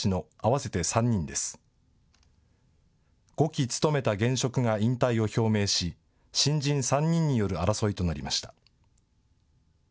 ５期務めた現職が引退を表明し新人３人による争いとなりました。